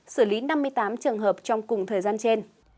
xử lý năm mươi tám trường hợp trong cùng thời gian trên